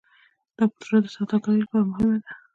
دا پروژه د سوداګرۍ لپاره مهمه ده.